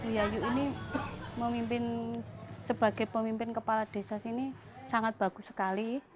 yayu ini memimpin sebagai pemimpin kepala desa sini sangat bagus sekali